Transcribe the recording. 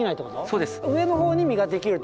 そうです。